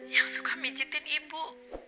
yang suka mencintai ibu